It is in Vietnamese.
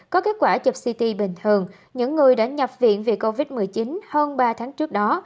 có kết quả chụp ct bình thường những người đã nhập viện vì covid một mươi chín hơn ba tháng trước đó